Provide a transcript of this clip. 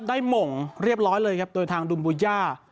หม่งเรียบร้อยเลยครับโดยทางดุมบูย่า